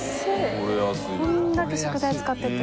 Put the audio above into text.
これだけ食材使ってて。